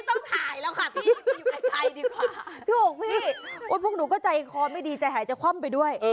ถูกพี่พวกหนูก็ใจคอไม่ดีใจหายจะค่อมไปด้วย